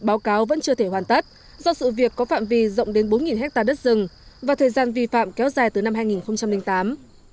báo cáo vẫn chưa thể hoàn tất do sự việc có phạm vi rộng đến bốn hectare đất rừng và thời gian vi phạm kéo dài từ năm hai nghìn tám